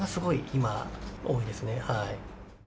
今、多いですね。